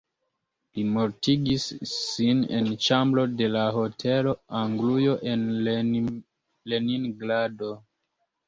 Li mortigis sin en ĉambro de la Hotelo Anglujo en Leningrado.